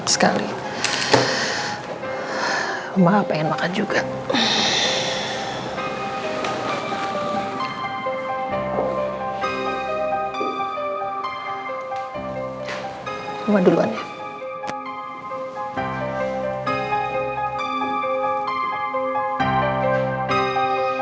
tidak ada permintaan al dan andin